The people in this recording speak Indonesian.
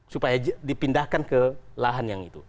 supaya dipindahkan ke lahan yang itu